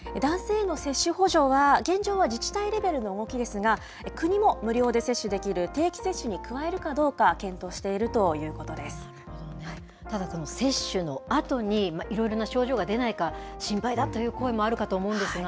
男性への接種補助は、現状は自治体レベルの動きですが、国も無料で接種できる定期接種に加えるかどうか検討しているといただ、この接種のあとにいろいろな症状が出ないか、心配だという声もあるかと思うんですが。